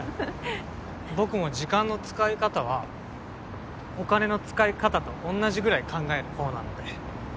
僕も時間の使い方はお金の使い方とおんなじぐらい考える方なので。